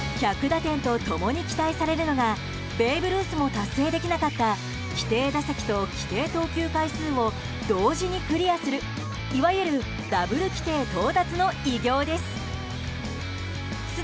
１００打点と共に期待されるのがベーブ・ルースも達成できなかった規定打席と規定投球回数を同時にクリアするいわゆるダブル規定到達の偉業です。